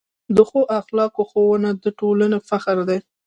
د ښو اخلاقو ښوونه د ټولنې فخر دی.